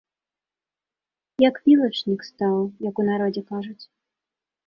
Як вілачнік стаў, як у народзе кажуць.